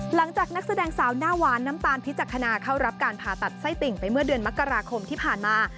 นักแสดงสาวหน้าหวานน้ำตาลพิจักษณาเข้ารับการผ่าตัดไส้ติ่งไปเมื่อเดือนมกราคมที่ผ่านมา